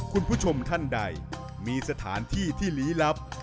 คุณผู้ชมท่านใดมีสถานที่ที่ลี้ลับ